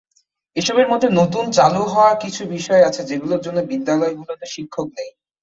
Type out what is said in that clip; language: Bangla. এসবের মধ্যে নতুন চালু হওয়া কিছু বিষয় আছে, যেগুলোর জন্য বিদ্যালয়গুলোতে শিক্ষক নেই।